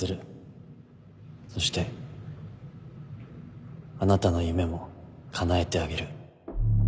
そしてあなたの夢もかなえてあげる